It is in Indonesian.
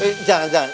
eh jangan jangan